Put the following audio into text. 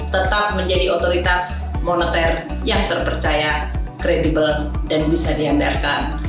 tetap menjadi otoritas moneter yang terpercaya kredibel dan bisa diandarkan